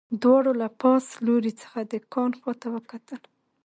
دواړو له پاس لوري څخه د کان خواته وکتل